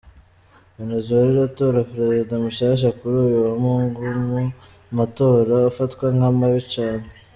Venezuella iratora prezida mushasha kuri uyu wa mungu- mu matora afatwa nka mabi cane.